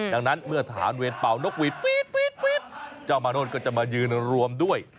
ดังนั้นเมื่อทหารเวรเป่านกหวีดเจ้ามาโนธก็จะมายืนรวมด้วย